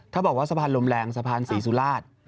ถ้าบอกว่าสะพานลมแรงสะพานศรีสุราช